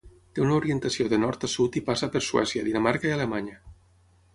Té una orientació de nord a sud i passa per Suècia, Dinamarca i Alemanya.